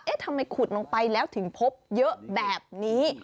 ทำไมขุดลงไปแล้วถึงพบเยอะแบบนี้